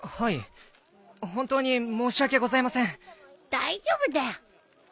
大丈夫だよ。